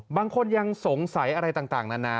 บางคนยังสงสัยอะไรต่างนานา